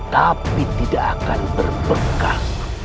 tapi tidak akan berbekas